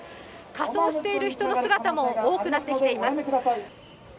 仮装している人の姿も多くなってきています。